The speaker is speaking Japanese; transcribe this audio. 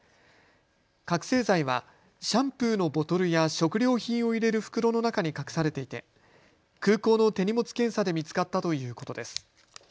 覚醒剤はシャンプーのボトルや食料品を入れる袋の中に隠されていて空港の手荷物検査で見つかったということです。